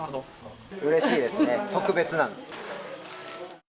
うれしいですね、特別なので。